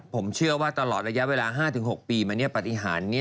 ผมเชื่อว่าตลอดระยะเวลา๕๖ปีมาปฏิหาร